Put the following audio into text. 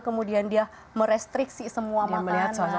kemudian dia merestriksi semua pembelian